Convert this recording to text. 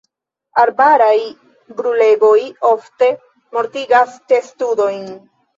Arbaraj brulegoj ofte mortigas testudojn.